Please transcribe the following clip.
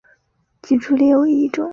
脊柱裂为一种。